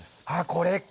これか。